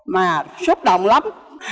mà xúc động lắm